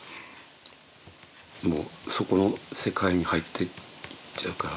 もうそこの世界に入ってっちゃうから。